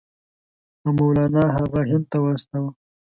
او مولنا هغه هند ته واستاوه.